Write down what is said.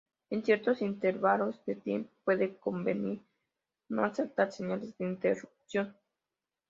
En ciertos intervalos de tiempo puede convenir no aceptar señales de interrupción.